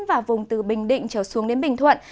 và vùng từ bình định trở xuống đến bình thuận